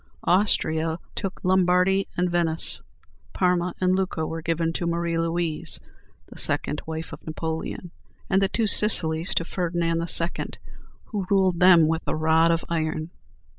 Austria took Lombardy and Venice; Parma and Lucca were given to Marie Louise, the second wife of Napoleon; and the Two Sicilies to Ferdinand II., who ruled them with a rod of iron.